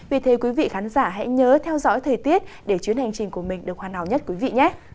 vì thế quý vị khán giả hãy nhớ theo dõi thời tiết để chuyến hành trình của mình được hoàn hảo nhất